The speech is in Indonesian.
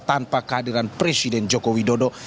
tanpa kehadiran presiden joko widodo